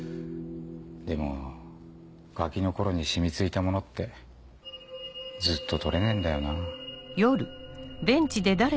でもガキの頃に染み付いたものってずっと取れねえんだよな。